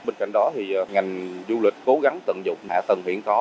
bên cạnh đó thì ngành du lịch cố gắng tận dụng hạ tầng hiện có